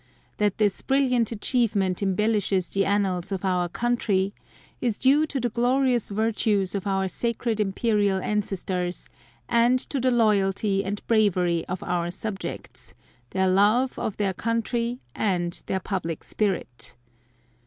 That this brilliant achievement embellishes the annals of Our country, is due to the glorious virtues of Our Sacred Imperial ancestors, and to the loyalty and bravery of Our subjects, their love of their country and their public spirit.